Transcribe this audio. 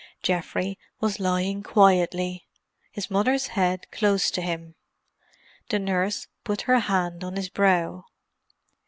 Geoffrey was lying quietly, his mother's head close to him. The nurse put her hand on his brow.